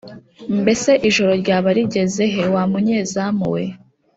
Mbese ijoro ryaba rigeze he, wa munyezamu we ?»